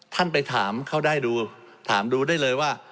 ท่านไปถามเขาได้ดูถามดูได้เลยว่า